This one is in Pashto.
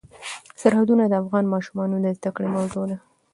سرحدونه د افغان ماشومانو د زده کړې موضوع ده.